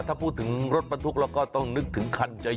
ถ้าพูดถึงรถบรรทุกเราก็ต้องนึกถึงคันใหญ่